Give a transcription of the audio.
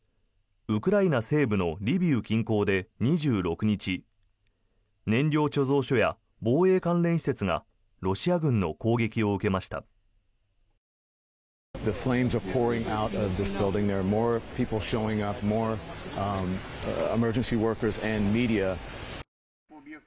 ウクライナ西部のリビウ近郊で２６日燃料貯蔵所や防衛関連施設がロシア軍の攻撃を受けました。